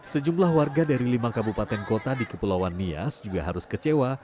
sejumlah warga dari lima kabupaten kota di kepulauan nias juga harus kecewa